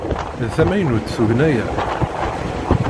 D tamaynut tugna-a?